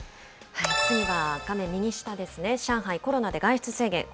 次は、画面右下ですね、上海、コロナで外出制限。